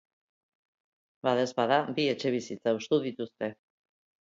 Badaezpada bi etxebizitza hustu dituzte.